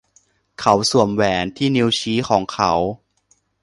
เขาสวมแหวนที่นิ้วชี้ของเขา